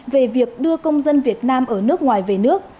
về việc đưa công dân việt nam ở nước ngoài về nước